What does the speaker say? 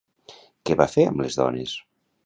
Què va fer amb les dones?